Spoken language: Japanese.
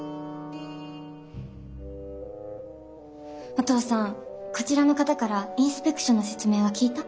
お父さんこちらの方からインスペクションの説明は聞いた？